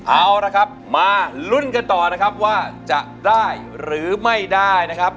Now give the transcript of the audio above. เอาละครับมาลุ้นกันต่อนะครับว่าจะได้หรือไม่ได้นะครับ